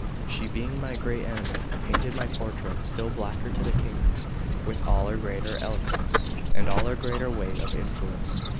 She being my great enemy, painted my portrait still blacker to the King, with all her greater eloquence and all her greater weight of influence.